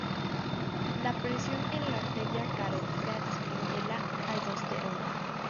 La presión en la arteria carótida disminuye la aldosterona.